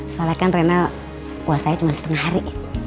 soalnya kan renal puasanya cuma setengah hari